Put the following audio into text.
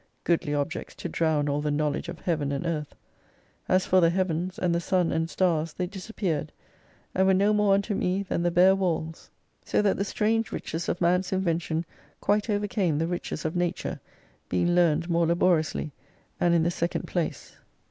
Goodly objects to drown all the know ledge of Heaven and Earth ! As for the Heavens and the Sun and Stars they disappeared, and were no more unto me than the bare walls. So that the strange 165 riches of man's invention quite overcame the riches of Nature, being learned more laboriously and in the second place.